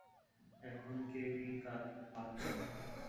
এখন কেউই কাঁধ পাতছে না।